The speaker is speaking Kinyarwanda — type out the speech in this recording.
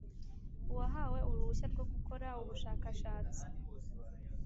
Uhawe uruhushya rwo gukora ubushakashatsi